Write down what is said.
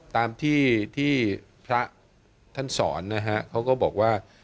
ตามที่ที่พระท่านสอนนะฮะเขาก็บอกว่า